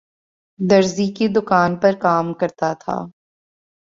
درزی کی دکان پرکام کرتا تھا